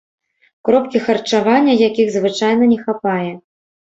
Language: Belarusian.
Кропкі харчавання, якіх звычайна не хапае.